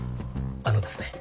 あのですね